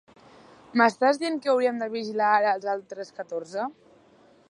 M'estàs dient que hauríem de vigilar ara els altres catorze?